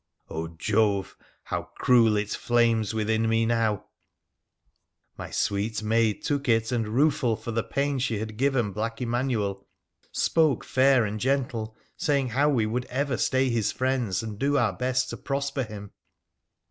Jove ! how cruel it flames 341 WONDERFUL ADVENTURES OF •within me now ! My sweet maid took it, and, rueful for the pain she had given black Emanuel, spoke fair and gentle, sajing how we would ever stay his friends and do our best to prosper him.